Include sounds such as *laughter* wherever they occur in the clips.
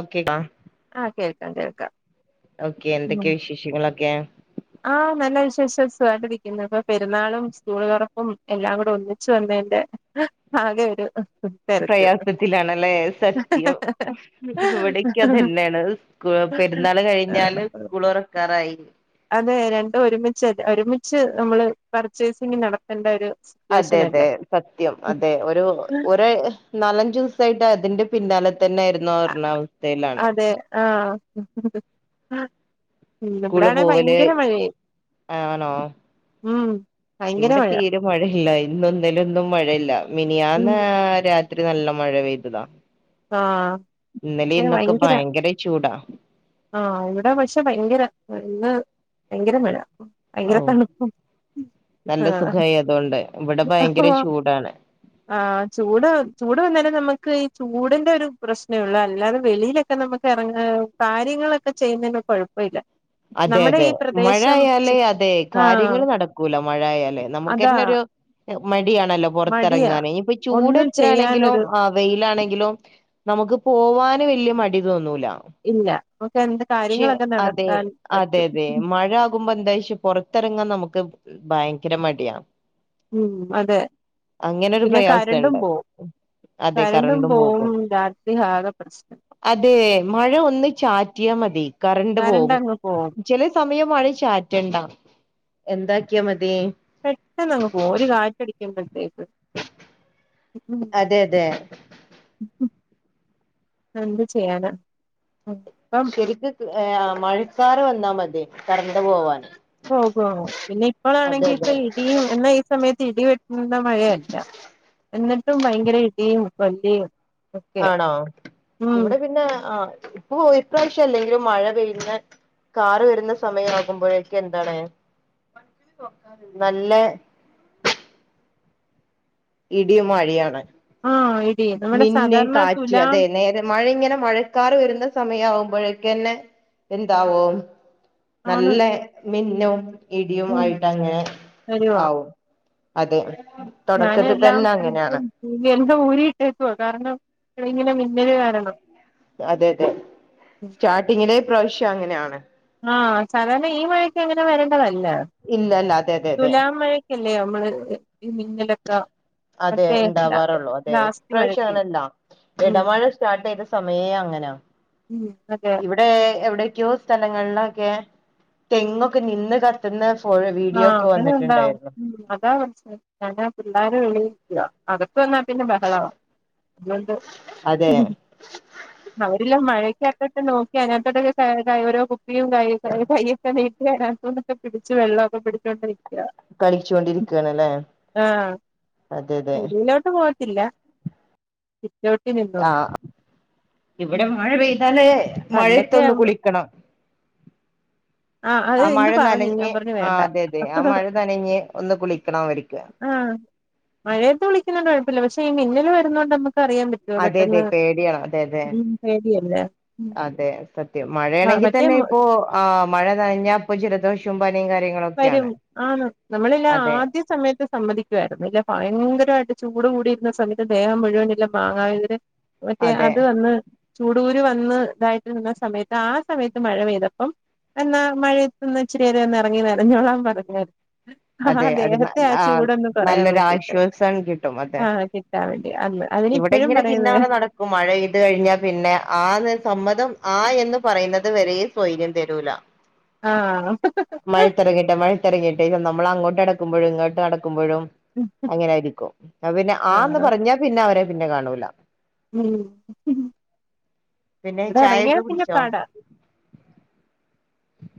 Okay ടാ ആ കേൾക്കാം കേൾക്കാം ഓക്കെ എന്തെക്കെ വിശേഷങ്ങളൊക്കെ ആ നല്ല വിശേഷം സുഖായിട്ട് ഇരിക്ക്‌ന്ന് ഇപ്പൊ പെരുന്നാളും സ്കൂള് തൊറപ്പും എല്ലാം കുട ഒന്നി ച്ചു വന്നേന്റ ആകെ ഒരു തെരക്ക് പ്രയാസത്തിലാണല്ലേ സത്യം ഇവിടക്കെ അതന്നേണ് സ്കൂ പെരുന്നാള് കഴിഞ്ഞാല് സ്കൂളൊറ ക്കാറായി അതെ രണ്ടും ഒരുമിച്ച് ഒരുമിച്ച് നമ്മള് പർച്ചേസിംഗ് നടത്തണ്ട ഒരു അതെ അതെ സിറ്റുവേഷനല്ലേ സത്യം അതെ ഒരു ഒരെ നാലഞ്ച് ദിവ്സായിട്ട് അതിന്റെ പിന്നാലതന്നെ ആയ്ര് അതെ ആഹ് ഉം സ്കൂള് ഇവ്ടാണെ പോവല് ഭയങ്കര മഴയെ ഉം ഭയങ്കര ഇവ്ടെ മഴ തീരെ മഴയില്ല ഇന്നും ഇന്നലെയൊന്നും മഴയില്ല ഉം മിനിയാന്ന് രാ ത്രി നല്ല മഴ പെയ്തതാ ആഹ് ഇന്നലെ ഇന്നൊക്ക ഭയങ്കര ചൂടാ ആഹ് ഇവട പക്ഷെ ഭയങ്കര ഇന്ന് ഭയങ്കര മഴ ഭയങ്കര ഔ തണുപ്പം ആ നല്ല സുഖായി അതുകൊണ്ട് ഇവിടെ ഭയങ്കര *unintelligible* ചൂടാണ് ആ ചൂട് ചൂട് വന്നെനെ നമുക്ക് ഈ ചൂടിന്റെ ഒര് പ്രശ്നെ ഒള്ള് അല്ലാതെ വെളിയിലെക്ക നമ്മക്ക് എറങ്ങാനും കാര്യങ്ങളൊക്ക ചെയ്യുന്നെന് കൊഴപ്പ ഇല്ല അതെ അതെ മഴ ആയാലെ അതെ ആഹ് കാര്യങ്ങള് നടക്കൂല മഴ ആയാലെ അതാ നമുക്കന്നൊരു മടിയാണല്ലോ മടിയാ പൊറത്തെറങ്ങാന് ഇനി ഇപ്പൊ ചൂട് ഒന്നും എത്ര ആണെങ്കിലും ചെയ്യാനൊരു അ വെയിലാണെങ്കിലും നമുക്ക് പോവാന് വല്യ മടി തോന്നൂല ഇല്ല നമ്ക്ക്‌ എന്ത ക്ഷെ അതെ അതെ അതെ മഴ *unintelligible* എന്താച്ച പൊറത്തെറങ്ങാം നമുക്ക് ഭയങ്കര മടിയാ ഉം അതെ അങ്ങനൊരു പിന്നെ കരണ്ടും പ്രയാസണ്ട് പോവും അതെ കരണ്ടും കറണ്ടും പോവും പോകും രാത്രി ആകെ പ്രശ്നം അതെ മഴ ഒന്ന് ചാറ്റിയ മതി കറണ്ട് കരണ്ട് പോകും അങ്ങ് പോവും ചെലെ സമയം മഴ ചാറ്റണ്ട എന്താക്കിയാ മതി പെട്ടെന്ന് അങ്ങ് പോവും ഒര് കാറ്റടിക്കുമ്പഴ്‌ത്തേക്ക് *unintelligible* അതെ അതെ ഉം എന്ത് ചെയ്യാന അപ്പം ശെരിക്ക്‌ ഏഹ് മഴക്കാറ് വന്നാ മതി കറണ്ട് പോവാൻ പോകു പിന്നെ ഇപ്പളാണെങ്കി ഇപ്പ ഇടിയും എന്ന ഈ സമയത്ത് ഇടി വെട്ട്ന്ന മഴയല്ല എന്നിട്ടും ഭയങ്കര ഇടിയും കൊല്ല്യയും ആണോ ഇവടെ പിന്നെ ആ ഇപ്പൊ ഇപ്രാവശ്യം അല്ലെങ്കിലും മഴ പെയ്യുന്ന കാറ് വെരുന്ന സമയം ആകുമ്പഴേക്ക്‌ എന്താണ് നല്ല ഇടിയും മഴയാണ് ആഹ് ഇടി നമ്മുടെ മിന്ന് സാധാരണ കാറ്റ് തുലാം അതെ നേരം മഴങ്ങന മഴക്കാറ് വെരുന്ന സമയാകുമ്പഴേക്കന്നെ എന്താവും ആണ് നല്ല മിന്നും ഇടിയും ഉം ആയിട്ടങ്ങനെ വരുവാ ആവും അതെ തൊടക്കത്തി തന്ന അങ്ങനെയാണ് ഇ *unintelligible* ഊരി ഇട്ടേക്ക്‌വാ കാരണം ഇങ്ങനെ മിന്നല് കാരണം അതെ അതെ സ്റ്റാർട്ടിങ്ങിലെ ഇപ്രാവശ്യം അങ്ങനെയാണ് ആഹ് സാധാരണ ഈ മഴക്ക് അങ്ങനെ വരേണ്ടതല്ല ഇല്ല അല്ല അതെ അതെ അതെ തുലാം മഴ ക്കല്ലേ നമ്മള് ഈ മിന്നലൊക്ക അതെ ണ്ടാവാറുള്ളു അതെ മഴക്ക് ഇപ്രാവശ്യങ്ങനല്ല ഉം എടമഴ സ്റ്റാർട്ട് ചെയ്ത സമയേ അങ്ങനെയാ ഉം അതെ എവിടെക്കിയോ സ്ഥലങ്ങളിലൊക്കെ തെങ്ങ്ക്കെ നിന്ന് കത്ത് ത്തുന്ന ഫോ വീ ആഹ് അങ്ങനുണ്ടാവും അതാ പടച്ചോനെ പിള്ളേരു വിളി *unintelligible* അകത്ത് വന്നാ പിന്നെ ബഹളവാ അതുകൊണ്ട് അതെ അവരെല്ലാം മഴയ്ക്കകത്തോട്ട് നോക്കി അതിനകത്തോട്ടൊക്കെ ഓരോ കുപ്പിയും കൈ കയ്യൊക്കെ നീട്ടി അതിനകതൊട്ട് ക്കെ പിടിച്ച് വെള്ളക്കെ പിടിച്ചോണ്ട് നിക്ക കളിച്ചോണ്ടിരിക്കണല്ലേ ആഹ് അതെ അതെ ചെളിയിലോട്ട് പോകത്തില്ല സിറ്റോട്ട് ആ നിന്നോണ്ട് ഇവിടെ ഉം മഴ പെയ്താല് പണ്ടൊക്കെ മഴത്തൊന്ന് ആവുമ്പോ കുളിക്കണം അത് ആഹ് മഴ ഇന്ന് പറഞ്ഞ് ഞാൻ നനഞ്ഞ് പറഞ്ഞു ആഹ് വേണ്ട അതെ അതെ ആഹ് മഴ നനഞ്ഞ് ഒന്ന് കുളിക്കണം അവര്ക്ക് ആഹ് മഴയത്ത് കുളിക്കുന്നോണ്ട് കുഴപ്പല്ല പക്ഷെ ഈ മിന്നില് വരുന്നോണ്ട് നമക്ക് അറിയാൻ പറ്റ അതെ അതെ പേടിയാ അതെ അതെ പേടിയല്ലേ ഉം അതെ സത്യം മ മഴയാണെങ്കി മറ്റേ തന്നെ മ് ഇപ്പോ ആഹ് മഴ നനഞ്ഞ പ്പൊ ജലദോഷം *unintelligible* പനിയും കാര്യങ്ങളൊക്ക വരും ആന്ന് നമ്മളില്ല ആദ്യ സമയത്ത് സമ്മതിക്കുയായിരുന്നു ഇല്ല ഭയങ്കരായിട്ട് ചൂട് കൂടിയിരുന്ന സമയത്ത് ദേഹം മുഴുവന് മാങ്ങാവതിന് മറ്റേ അതെ അത് വന്ന് ചൂട് കുരു വന്ന് ഇതായിട്ട് നിന്ന സമയത്ത് ആഹ് സമയത്ത് മഴ പെയ്തപ്പം എന്നാ മഴയത്ത് ന്ന് ഇച്ചിരി നേരം ഇറങ്ങി നനഞ്ഞോളാൻ പറഞ്ഞെു അതെ ആഹ് അത് ദേഹത്തെ ആ ചൂടൊന്ന് കുറയാൻ നല്ലൊരു വേണ്ടിട്ട് ആശ്വാസം കിട്ടും അതെ ആഹ് കിട്ടാൻ വേണ്ടി അന്ന് അവനി ഇപ്പോഴും പറയുന്ന് പ്പംമഴപെയ്ത് കഴിഞ്ഞാ പിന്നെ ആഹ് ന്ന് സമ്മതം ആഹ് എന്ന് പറയുന്നത് വരെ സ്വൈര്യം തരൂല ആഹ് ഹ ഹാ മഴത്തിറങ്ങട്ടെ മഴത്തിറങ്ങട്ടെ നമ്മൾ അങ്ങോട്ട് നടക്കുമ്പോഴും ഇങ്ങോട്ട് നടക്കുമ്പോഴും അങ്ങനെയായിരിക്കും പിന്നെ ആന്ന് ആഹ് പറഞ്ഞാ പിന്നെ അവരെ പിന്നെ കാണൂല മം പിന്നെ ഇവിടെ ഇറങ്ങിയാ ചായൊക്കെ പിന്നെ കുടിച്ചോ പാടാ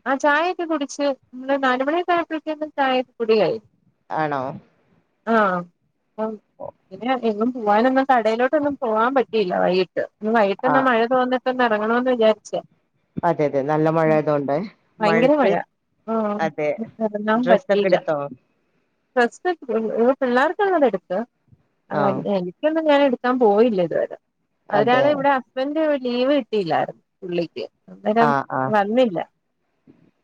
ആഹ് ചായൊക്കെ കുടിച്ച് നമ്മള് നാല് മണിയോക്കായപ്പോയെക്കും ചായകുടികയും ആണോ ആഹ് *unintelligible* പോവാനിന്ന് കടയിലോട്ടന്നും പോകാൻ പറ്റില്ല വൈകിട്ട് ഇന്ന് വൈകീട്ട് ആ ന്നമഴ യത്ത് വന്ന് ഇപ്പോ ഒന്ന് ഇറങ്ങണമന്ന് വിചാരിച്ചേ അതെ അതെ നല്ല മഴ ആയതോണ്ടേ ഭയങ്കര മഴ ആഹ് എറങ്ങാൻ ഡ്രസ്സൊക്കെ പറ്റിയില്ല എടുത്തോ ഡ്രസ്സ്‌ മ് പിള്ളേർക്ക് ള്ളത്എടുത്ത് ആ ഇൻക്ക് ഒന്നും ഞാൻ എടുക്കാൻ പോയില്ല ഇതുവരെ അതെ അതൊരാളെ ഇവിട ഹുസ്‌ബൻറ്റ് ലീവ് കിട്ടിയില്ലായിരുന്നു പുള്ളിക്കി ആ അന്നേരം ആ വന്നില്ല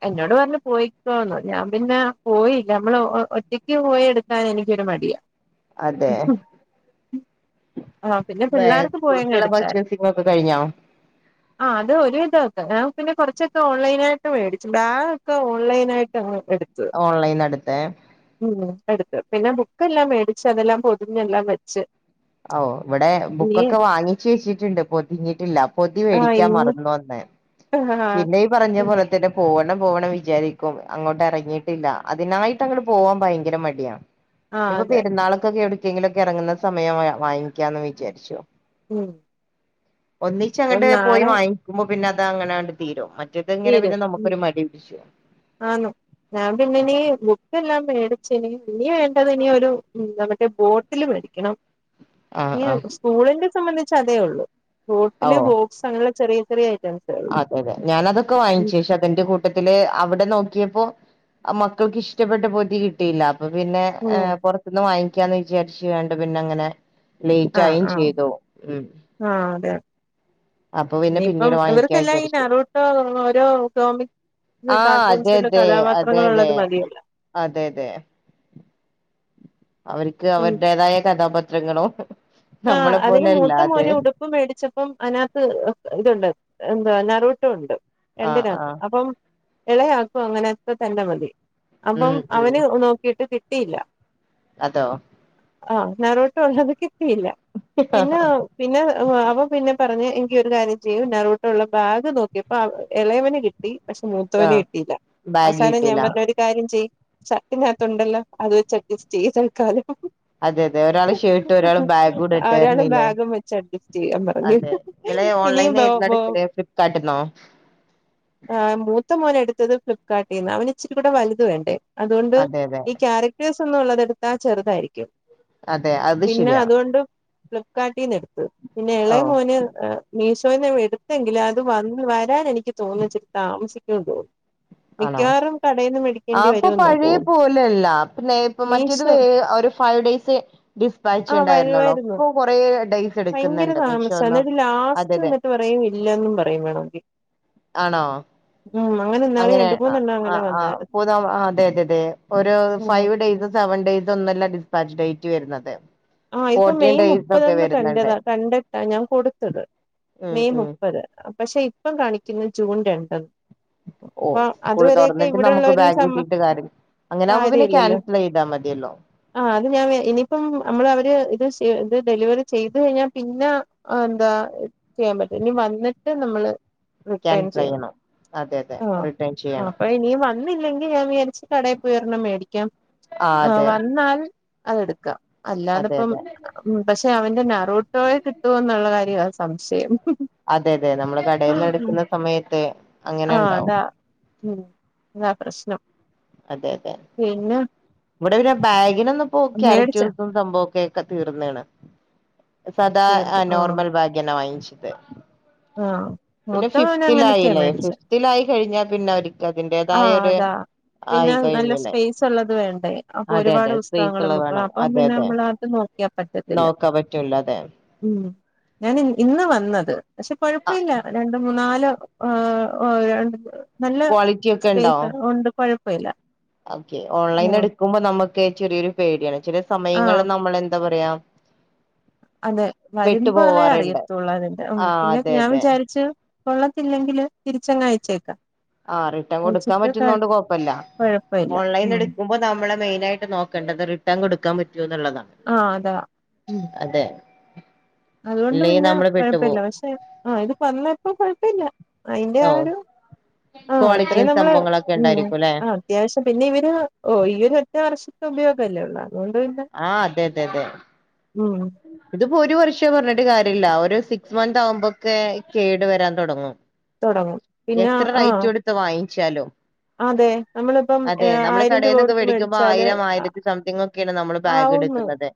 എന്നോട് പറഞ്ഞ് പോയിക്കോന്നു ഞാൻ പിന്നെ പോയില്ല നമ്മള് ഒറ്റക്ക് പോയി എടു ക്കാന് എനിക്കൊരു മടിയാ അതെ ആഹ് പിന്നെ പിള്ളേർക്ക് പോയങ്ങ് സ്കൂളിക്കുള്ള എടുത്തായിരുന്നു പർച്ചേസ് ഒക്കെ കഴിഞ്ഞോ ആഹ് അത് ഒരുവിതോക്കെ ഞാൻ പിന്നെ കുറച്ചൊക്കെ ഓൺലൈനായിട്ട് വേടിച്ചു ബാഗ് ഒക്ക ഓൺലൈൻ ആയിട്ട് അങ്ങ് ഓൺലൈൻ എടുത്തേ മം എടുത്ത് പിന്നെ ബുക്കെല്ലാം മേടിച്ച് അതെല്ലാം പൊതിഞ്ഞെല്ലാം വെച്ച് ഓഹ് ഇവിടെ ഇനി ബുക്കൊക്കെ വാങ്ങിച്ച് വെച്ചിട്ടുണ്ട് പൊതിഞ്ഞിട്ടില്ല പൊതി ആഹ് വേടിക്കാൻ ഇന്ന് മറന്നോന്ന് ആഹ് പിന്നെയും പറഞ്ഞ ഉം പോലെ തന്നെ പോവണം പോവണം വിചാരിക്കും അങ്ങോട്ട് ഇറങ്ങിയിട്ടില്ല അതിനായിട്ട് അങ്ങട് പോവാൻ ഭയങ്കര മടിയാണ് ആഹ് ഇപ്പൊ അതെ പെരുന്നാളൊക്കെ കേെ എടക്കെങ്കിലൊക്കെ ഇറങ്ങുന്ന സമയം വാങ്ങിക്കാന്ന് വിചാരിച്ചോ ഉം ഒന്നിച്ച് അപ്പം അങ്ങോട്ട് പോയി നാളെ വാങ്ങിക്കുമ്പോ പിന്നെ അത് അങ്ങനെണ്ട് തീരും മറ്റ തീരും ആ ഞാൻ പിന്ന നി ഇതെല്ലാം മേടച്ച് ഇനി ഇനിവേണ്ടത് ഇനി ഒരു നമ്മേ ബോട്ടില് മേടിക്കണം ആഹ് ആഹ് സ്കൂളിന്റെ സംബന്ധിച്ച അതേ ഉള്ളു ഓ ബോട്ടില് ബോ ക്സ് അങ്ങനെള്ള ചെിയ ചെറിയ ഐറ്റംസ് അതെ അതെ ഞാാന അതൊക്കെ വാങ്ങിച്ച അന്റെ കൂട്ടത്തില് അവിടെ നോക്കിയപ്പോ മക്കൾക്ക് ഇഷ്ടപ്പെട്ട പൊധി കിട്ടിയില്ല അപ്പൊ പിന്നെ ഉം പുറത്തുനിന്ന് വാങ്ങിക്കാന്ന് വിചാരിച്ചു വേണ്ട പിന്നെ അങ്ങനെ ലേയറ്റായയും ചെയ്തുോ ഉ ആഹ അതെതെ പിന്നെ ഇനിയിപ്പം പിന്നീട് വാങ്ങിക്കാ ഇവർക്കെല്ലാം ഈ വിചാരിച്ചു നറൂട്ടോ ഓരോമി ഇത് ആഹ് അതെ കാർട്ടൂൺസില അതെ അതെ കഥാപാത്രങ്ങ അതെ ഉള്ളത് മതിയല്ല അതെ അതെ അവർക്ക് ഉം അവരുടേതായ കഥാപാത്രങ്ങളോ ആഹ് അതിന് മൂത്ത മോന് ഉടു പ്പ് മേടിച്ചപ്പം അതിനകത്ത് ഇതുണ്ട് എന്താ നറുട്ടുണ്ട് ആഹ് രണ്ടിനാക്കും ആഹ് അപ്പം ഇളയാക്കും അങ്ങനെത്തെ തന്നെ മതി ഉം അപ്പം ഉം അവന് നോക്കിട്ട് കിട്ടിയില്ല അതോ ആഹ് നറോട്ട് ഉള്ളത് കിട്ടിയില്ല പിന്നെ പിന്നെ അവ പിന്നെ പറഞ്ഞ് എനിക്ക് ഒരു കാര്യം ചെയ്യും ഞാറൂട്ടിലുള്ള ബാഗ് നോക്കിയപ്പോ ഇളയവന് കിട്ട ട്ടി പക്ഷെ മൂത്തവന് ആഹ് കിട്ടിയില്ല ബാഗ് അവസാനം ഞാൻ കിട്ടില്ല പറഞ് ഒര് കാര്യം ചെയ്യ് ഷർട്ടിനകത്തുണ്ടല്ലോ അത് വെച്ച് അഡ്ജസ്റ്റ് ചെയ് തല്ക്കാലം അതെ അതെ ഒരാൾ ഷേട്ട് ഒരാള് ബാഗും ഇടട്ടെ ഒരാള് പറഞ്ഞില്ലേ ബാഗും വെച്ച് അഡ്ജസ്റ്റ് ചെയ്യാൻ പറഞ്ഞു അതെ ഇങ്ങള് ഇനിയും ഓൺലൈൻ ബോ ഏതിന്ന ബോ എടുക്കല് ഫ്ളിപ് കാർട്ടുന്നോ ആഹ് മൂത്ത മോന് എടുത്തത് ഫ്ലിപ്കാർട്ടിൽ നിന്ന് അവന് ഇച്ചിരി കൂടെ വലുത് വേണ്ടേ അതുകൊണ്ട് അതെ അതെ ഈ ക്യാരക്ടേഴ്സ് ഒന്നും ഉള്ളത് എടുത്താ ചെറുതായിരിക്കും അതെ അത് പിന്നെ ശരിയാ അതുകൊണ്ട് ഫ്ലിപ്കാർട്ടിൽ നിന്ന് എടുത്തു പിന്നെ ഓ ഇളയ മോന് മീഷോയിൽ നിന്ന് എടുത്തെങ്കിലും അത് വന്ന് വരാൻ എനിക്ക് തോന്നച്ചിരി താമസിക്കുന്ന് തോന്ന ആണോ മിക്കവാറും കടയ് ആഹ് ഇപ്പൊ പഴയ പോലല്ല പിന്നെ ഇപ്പ മറ്റേത് മീഷോ വേ ഒരു ഫൈവ് ഡേയ്സ് ഡിസ്പാച്ച് ആഹ് ഉണ്ടായിരുന്നുള്ളൂ വരുവായിരുന്നു ഇപ്പൊ കൊറേ ഡേയ്സ് ഭയങ്കര എടുക്കുന്നുണ്ട് താമസ മീഷോന്നും എന്നിട്ട് അതെ ലാസ്റ്റ് അതെ ഇന്നിട്ട് പറയും ഇല്ലന്നും പറയും വേണങ്കി ആണോ ഇന്നാള് അങ്ങനെയ് രണ്ട് മൂന്നെണ്ണം ആ അങ്ങനെ വന്നായിരുന്നു ആഹ് *unintelligible* അതെ അതെ അതെ ഒരു ഉം ഫൈവ് ഡേസ് സെവൻ ഡേയ്സ് ഒന്നുല്ല ഡിസ്പാച്ച് ഡേറ്റ് വരുന്നത് ആഹ് ഇപ്പൊ ഫോർട്ടീൻ മെയ് ഡേയ്സ് ഒക്കെ മുപ്പത്ന്ന്‌ വരുന്നുണ്ട് കണ്ടതാ കണ്ടിട്ടാ ഞാൻ കൊടുത്തത് ഉം മെയ് ഉം മുപ്പത് പക്ഷെ ഇപ്പം കാണിക്കുന്ന ജൂൺ രണ്ട് ഓഹ് സ്കൂൾ തുറന്നിട്ട് നമുക്ക് ഇവിടെള്ളവരും ബാഗ് സമ്മ കിട്ടീട്ട് കാര്യം അങ്ങനെ ആവുമ്പോ പിന്നെ കാര്യല്ലല്ലോ ക്യാൻസൽ ചെയ്താൽ മതിയല്ലോ ആഹ് അത് ഞാൻ ഇനിയിപ്പം നമ്മള് അവര് ഇത് ഡെലിവറി ചെയ്ത് കഴിഞ്ഞാൽ പിന്നെ എന്താ ചെയ്യാൻ പറ്റും ഇനി വന്നിട്ട് നമ്മള് റിട്ടേൺ ക്യാൻസൽ ചെയ്യാം ചെയ്യണം അതെ അതെ ആഹ് റിട്ടേൺ ആഹ് ചെയ്യണം അപ്പൊ ഇനിയും വ വന്നില്ലെങ്കിൽ ഞാൻ വിചാരിച്ച് കടയിൽ പോയി ഒരെണ്ണം മേടിക്കാം ആഹ് അതെ വന്നാൽ അതെടുക്കാം അതെ അല്ലാതപ്പം അതെ ഉം പക്ഷെ അവന്റെ നറൂട്ടോയെ കിട്ടുവോ എന്നുള്ള കാര്യവാ സംശയം അതെ അതെ നമ്മള് കടയിൽന്ന് എടുക്കുന്ന ആഹ് സമയത്ത് അങ്ങനെ ഉണ്ടാവും അതാ ഉം അതാ പ്രശ്നം അതെ അതെ പിന്നെ ഇവിടെ പിന്നെ ബാഗിനൊന്നും പോ മേടിച്ചാ ക്യാരക്ടേഴസും സംഭവക്കെ തീർന്നണ് സധാ തീർന്നു ആഹ് നോർമൽ ബാഗെന്നാ വാങ്ങിച്ചിത് ആഹ് പിന്നെ മൂത്തവന് അങ്ങനത്തെയാ ഫിഫ്തിലയില്ലേ മേടിച്ചേ ഫിഫ് ത്തിലായി കഴിഞ്ഞാൽ പിന്നെ അവർക്ക് ആഹ് അതിൻ്റേതായൊരു അതാ പിന്നെ നല്ല സ്പേസ് ഉള്ളത് വേണ്ടേ അപ്പൊ അതെ ഒരുപാട് അതെ സ്പേസ് പുസ്തകങ്ങൾ ഉള്ളത് ബുക്കും വേണം അപ്പൊ അതെ പിന്നെ അതെ നമ്മളത് നോ നോക്കാൻ പറ്റൂല അതെ ഉം ഞാൻ ഇന്ന വന്നത് പക്ഷെ കൊഴപ്പല്ല രണ്ട് മൂന്നാല് ആഹ് ഓഹ് നല്ല ക്വാളിറ്റി ഒക്കെ ഉണ്ടോ സ്പേസ് ഉണ്ട് കുഴപ്പമില്ല ഓക്കെ ഓൺലൈൻ എടുക്കുമ്പോ നമുക്ക് ചെറിയൊരു പേടിയാണ് ച ആഹ് സമയങ്ങളിൽ നമ്മള് എന്താ പറയാ അതെ പെട്ടു വരുമ്പുകളളെ പോവാറുണ്ട് അറിയത്തുള്ളൂ അതിന്റെ ഉം ആഹ് പിന്നെ അതെ ഞാൻ അതെ വിചാരിച്ചു കൊള്ളത്തില്ലെങ്കില് തിരിച്ചെങ്ങ് അയച്ചേക്കാം ആഹ് റിട്ടേൺ കൊടുക്കാൻ അയച്ചിട്ട് പറ്റുന്ന കൊണ്ട് കൊഴപ്പില്ല കൊഴപ്പമില്ല ഓൺലൈൻ ഉം എടുക്കുമ്പോ നമ്മെ മെയിനായിട്ട് നോക്കണ്ടത് റിട്ടേൺ കൊടുക്കൻ പറ്റോ എന്നുള്ളതാണ് ആഹ് അതാ ഉം അതെ അതുകൊണ്ട് ഇല്ലെങ്കിൽ പിന്നെ നമ്മള് കൊഴപ്പില്ല പെട്ടുപോവും പക്ഷെ ആഹ് ഇത് വന്നപ്പോ കുഴപ്പമില്ല അതിന്റെ ഓ ആഹ് ഒരു ആഹ് ക്വാളിറ്റിയും അത്രയും നമ്മള് സംഭവങ്ങളൊക്കെ ഉം ഉണ്ടായിരിക്കും ല്ലെ ആഹ് അത്യാവശ്യം പിന്നെ ഇവര് ഓ ഈ ഒരു ഒറ്റ വർഷത്തെ ഉപയോഗം അല്ലേ ഉള്ളൂ അതുകൊണ്ട് പിന്നെ ആഹ് അതെ അതെ അതെ ഉം ഇതിപ്പോ ഒരു വർഷം പറഞ്ഞിട്ട് കാര്യമില്ല ഒരു സിക്സ് മന്ത് ആവുമ്പോൊക്കെ കേടു വരാൻ തുടങ്ങും തൊടങ്ങും പിന്നെ എത്ര റൈറ്റ് ആഹ് എടുത്ത് വാങ്ങിച്ചാലും അതെ നമ്മളിപ്പം ഏ, അതെ നമ്മൾ ആയിരം രൂപ കടയിൽന്നൊക്കെ കൊടുത്ത് വേടിക്കുമ്പോ മേടിച്ചാല് ആയിരം ആയിരത്തി സംതിങ് ഒക്കെ യാണ് ബാഗ് ആവുന്ന് എടുക്കുന്നത്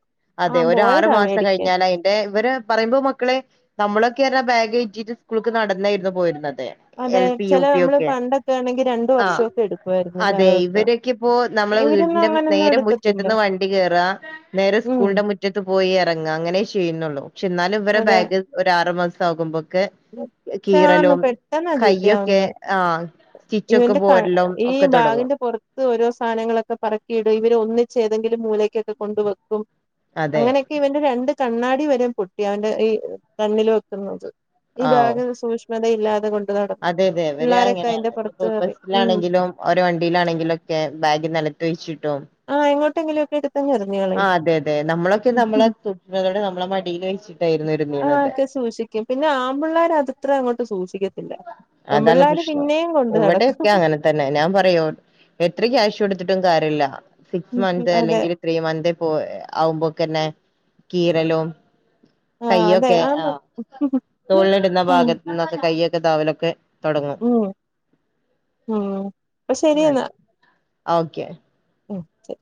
അതെ ആഹ് ഒ ആറു പോയതാ മാസം മേടിക്കാൻ കഴിഞ്ഞാൽ അതിന്റെ ഇവര് പറയുമ്പോ മക്കളെ നമ്മളൊക്കെ അറഞ്ഞാ ബാഗ് എഴറ്റിട്ട് സ്കൂളിലക്ക് നടന്നായിരുന്നു പോയിരുന്നത് അതെ എൽ പി യു ചില പി നമ്മള് ഒക്കെ പണ്ടൊക്കെ ആണെങ്കിൽ രണ്ടു ആഹ് വർഷൊക്കെ എടുക്കുയിരുന്നു. അതെ ഇവരൊക്കെ ഇപ്പോ നമ്മളെ വീടിന്റെ നേരെ എടുക്കത്തില്ല മുറ്റത്ത്ന്ന് വണ്ടി കേയറാ നേരെ ഉം സ്കൂളിന്റെ മു മുറ്റത്ത് പോയി ഇറങ്ങുക അങ്ങനെ ചെയ്യുന്നുള്ളൂ പക്ഷെ എന്നാലും ഇവടെ അതെ ബാഗ് ഒ ആറു മാസം ആകുമ്പോക്കെ ആന്ന് കീറലും പെട്ടെന്നാ ചീത്തയാവുന്നെ കൈ്യൊക്കെ ആഹ് സ്റ്റിച്ചൊക്കെ ഇവന്റെ ക പോരലും ഈ ഒക്കെ തൊടങ്ങും ബാഗിന്റെ പുറത്ത് ഓരോ സാധനങ്ങളൊക്കെ പറക്കിയിടും ഇവര് ഒന്നിച്ച് ഏതെങ്കിലും മൂലക്കൊക്കെ കൊണ്ട് വെക്കും അതെ അങ്ങനെ ഇവന്റെ രണ്ട് കണ്ണാടി വരെയും പൊട്ടി അവന്റെ ഈ കണ്ണിൽ വെക്കുന്നത് ഈ ആവോ ഭാഗ് സൂക്ഷ്മ മഥ ഇല്ലാത കൊണ്ട് നടന്നു അതെ അതെ അവര് പിള്ളോരൊക്കെ അതിന്റെ പുറത്ത് അങ്ങനെയാണ്പ്പോ പറയും ഉം ബസ്റ്റിലാണെങ്കിലും ഓരോ വണ്ടിയിലാണെങ്കിലുംക്കെ ബാഗ് നിലത്ത് വഴിച്ചിട്ടും ആഹ് എോട്ടെ എലൊക്കെ എടുത്തന്നഞ്ഞായിരുന് ആഹ് അതെ അതെ നമ്മളൊക്കെ നമ്മെ ത തുട്ടുന്ന തോടെ നമ്മളെ മടിൽ വെച്ചി് ആഹ് ഒക്കെ സൂക്ഷിക്കും പിന്നെ ആമ്പിള്ളേർ അത്ത്ര അങ്ങോട്ട് സൂക്ഷിക്ക ത്തില്ല അതാണ് പിള്ളേര് പ്രശ്നം പിന്നെയും കൊണ്ട് നടക്കും ഇവിടെയൊക്കെ അങ്ങനെ തന്നെ ഞാൻ പറയോ എത്ര ക്യാഷ് കൊടുത്തിട്ടും കാര്യില്ല സിക്സ് മന്ത് അതെ അല്ലെങ്കിൽ ത്രീ മൻഥ് പോ ആവുമ്പോക്കന്നെ കീരലും ആഹ് അതെ കയ്യൊക്കെ ആന്ന് ആഹ് തോഴിലിടുന്ന ആഹ് ഭാഗത്ത നിന്നൊക്കെ കയ്യൊക്കെ താവലൊക്കെ തുടങ്ങും ഉം ഉം അപ്പൊ *unintelligible* ഓക്കെ ഉം ശരി